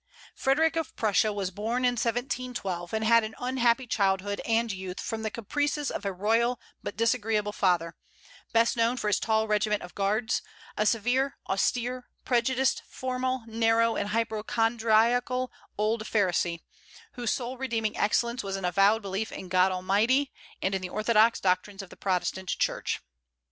Frederic of Prussia was born in 1712, and had an unhappy childhood and youth from the caprices of a royal but disagreeable father, best known for his tall regiment of guards; a severe, austere, prejudiced, formal, narrow, and hypochondriacal old Pharisee, whose sole redeeming excellence was an avowed belief in God Almighty and in the orthodox doctrines of the Protestant Church.